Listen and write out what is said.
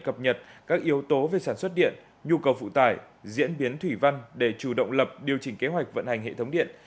cập nhật các yếu tố về sản xuất điện nhu cầu phụ tải diễn biến thủy văn để chủ động lập điều chỉnh kế hoạch vận hành hệ thống điện